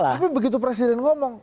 tapi begitu presiden ngomong